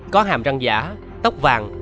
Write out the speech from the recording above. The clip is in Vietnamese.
có hàm răng giả tóc vàng